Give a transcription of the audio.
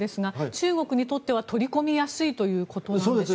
中国にとっては、取り込みやすいということなんでしょうか。